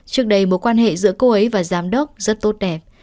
trước đây mối quan hệ giữa cô ấy và giám đốc rất tốt đẹp